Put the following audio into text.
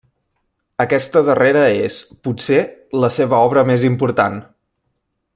Aquesta darrera és, potser, la seva obra més important.